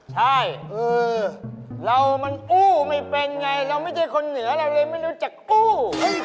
ใช่เรามันกู้ไม่เป็นไงเราไม่ใช่คนเหนือเราเลยไม่รู้จักกู้